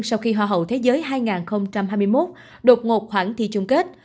sau khi hoa hậu thế giới hai nghìn hai mươi một đột ngột khoảng thi chung kết